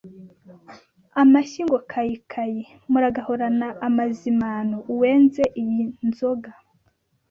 Amashyi ngo kaikai! Muragahorana amazimano! Uwenze iyi nzoga